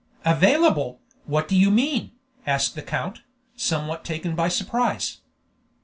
"Available! What do you mean?" asked the count, somewhat taken by surprise.